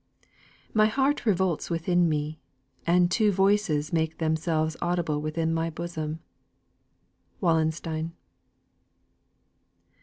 "My heart revolts within me, and two voices Make themselves audible within my bosom." WALLENSTEIN.